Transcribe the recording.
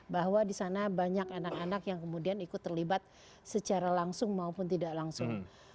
bahwa di sana banyak anak anak yang kemudian ikut terlibat secara langsung maupun tidak langsung